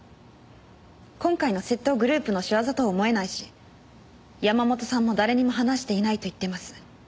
今回の窃盗グループの仕業とは思えないし山本さんも誰にも話していないと言っています。